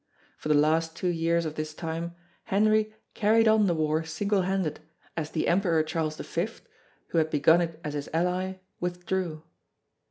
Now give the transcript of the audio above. For the last two years of this time Henry carried on the war singlehanded, as the Emperor Charles V, who had begun it as his ally, withdrew.